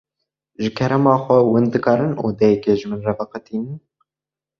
Ji kerema xwe hûn dikarin odeyekê ji min re veqetînin?